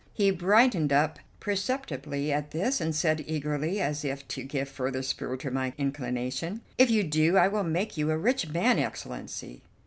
He brightened up perceptibly at this, and said eagerly, as if to give further spur to my inclination: "If you do, I will make you a rich man, Excellency."